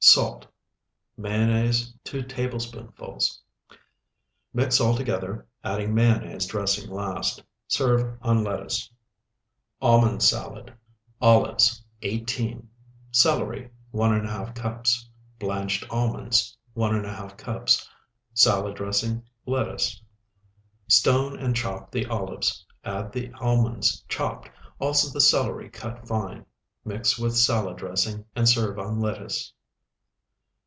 Salt. Mayonnaise, 2 tablespoonfuls. Mix all together, adding mayonnaise dressing last. Serve on lettuce. ALMOND SALAD Olives, 18. Celery, 1½ cups. Blanched almonds, 1½ cups. Salad dressing. Lettuce. Stone and chop the olives. Add the almonds chopped, also the celery cut fine. Mix with salad dressing and serve on lettuce.